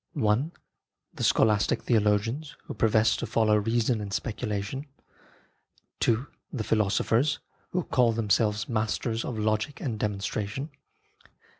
I. The scholastic theologians, who profess to follow reason and speculation. II. The philosophers, who call themselves masters of Logic and Demonstration.